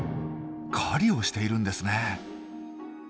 狩りをしているんですね。